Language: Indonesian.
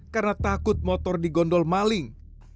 karena takut motor digondol maling